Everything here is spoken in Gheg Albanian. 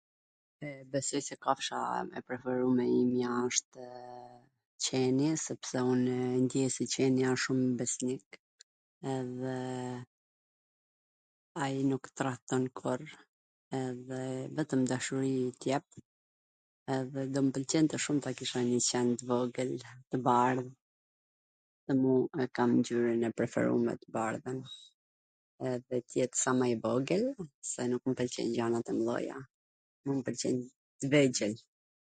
Besoj se kafsha e preferume e imja wshtw qeni sepse unw e ndjej se qeni ashtw shum besnik, edhe ai nuk trathton kurr, vetwm dashuri t jep, edhe do mw pwlqente shum ta kisha njw qen t vogwl, tw bardh, dhe mu e kam ngjyrwn e preferume tw bardhwn, edhe t jet sa ma i vogwl, se nuk mw pwlqejn gjanat e mdhaja, mu m pwlqen t vegjwl.